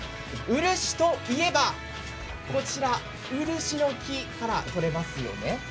漆といえばこちら漆の木から取れますよね。